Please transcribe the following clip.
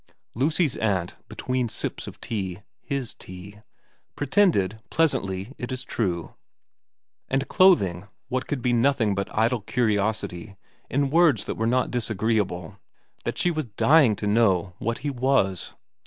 Lucy's aunt between sips of tea his tea pretended, pleasantly it is true, and clothing what could be nothing but idle curiosity in words that were not disagreeable, that she was dying to know what he was.